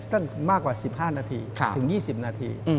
มากกว่า๑๕นาทีถึง๒๐นาที